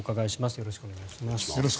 よろしくお願いします。